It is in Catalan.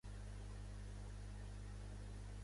Va donar suport a causes republicanes conservadores.